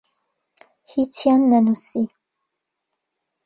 هیچیان نەنووسی.